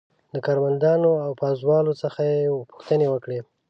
له کارمندانو او پازوالو څخه یې پوښتنې وکړې.